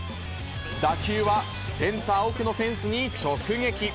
打球はセンター奥のフェンスに直撃。